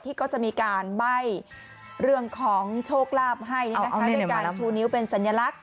ที่ก็จะมีการใบ้เรื่องของโชคลาภให้นะคะเอาเอาเน่เน่มาน้ำด้วยการชูนิ้วเป็นสัญลักษณ์